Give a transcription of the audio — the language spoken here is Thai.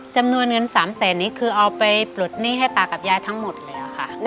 จำนวนเงิน๓แสนนี้คือเอาไปปลดหนี้ให้ตากับยายทั้งหมดแล้วค่ะ